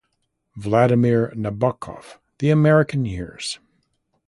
"Vladimir Nabokov: The American Years".